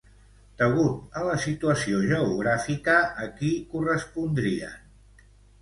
Degut a la situació geogràfica, a qui correspondrien?